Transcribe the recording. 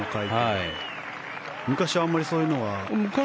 昔は、あまりそういうのは。